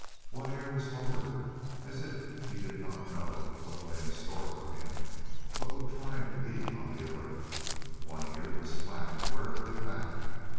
One ear was forward as if he did not know what lay in store for him, but would try to be on the alert. One ear flagged warily back.